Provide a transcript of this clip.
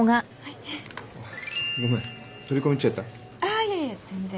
あいえいえ全然。